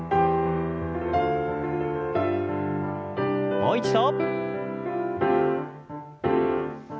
もう一度。